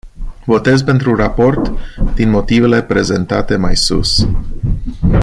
Votez pentru raport din motivele prezentate mai sus.